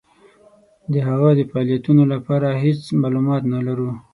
د هغه د فعالیتونو په باره کې هیڅ معلومات نه لرو.